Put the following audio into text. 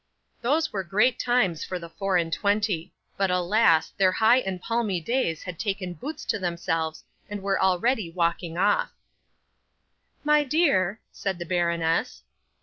'Those were great times for the four and twenty; but, alas! their high and palmy days had taken boots to themselves, and were already walking off. '"My dear," said the baroness.